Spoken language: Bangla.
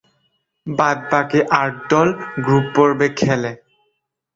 বাদ-বাকী আট দল গ্রুপ-পর্বে খেলে।